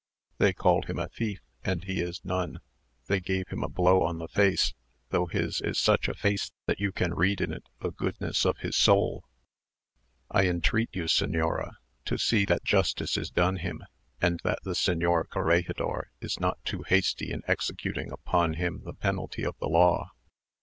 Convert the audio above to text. They called him a thief, and he is none; they gave him a blow on the face, though his is such a face that you can read in it the goodness of his soul. I entreat you, señora, to see that justice is done him, and that the señor corregidor is not too hasty in executing upon him the penalty of the law.